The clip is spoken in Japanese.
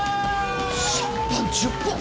シャンパン１０本？